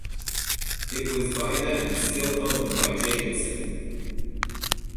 It was by then still owned by Jacobsen.